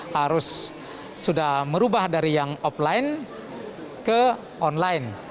harus sudah merubah dari yang offline ke online